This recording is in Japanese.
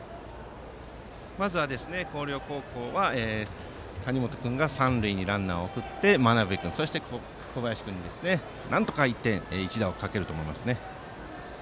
まずは広陵高校は谷本君が三塁にランナーを送って真鍋君そして小林君になんとか１点一打をかけると思います。